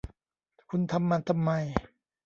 คุณทำมันทำไม